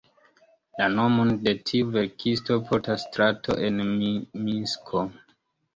La nomon de tiu verkisto portas strato en Minsko.